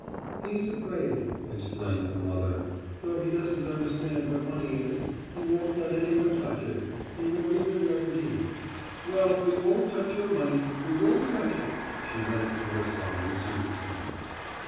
"'He's afraid,' explained the mother; 'though he doesn't understand what money is, he won't let anyone touch it ... he won't even let me.... Well, well, we won't touch your money, we won't touch it,' she went to her son and soothed him....